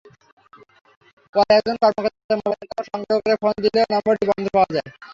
পরে একজন কর্মকর্তার মোবাইল নম্বর সংগ্রহ করে ফোন দিলেও নম্বরটি বন্ধ পাওয়া যায়।